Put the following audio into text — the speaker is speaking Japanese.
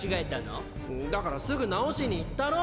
だからすぐ直しに行ったろ？